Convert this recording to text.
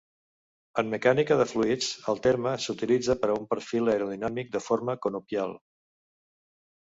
En mecànica de fluids, el terme s'utilitza per a un perfil aerodinàmic de forma conopial.